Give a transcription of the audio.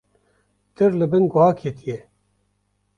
Tir li bin goha ketiye